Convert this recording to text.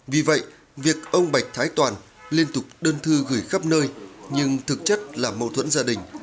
vì vậy việc ông bạch thái toàn liên tục đơn thư gửi khắp nơi nhưng thực chất là mâu thuẫn gia đình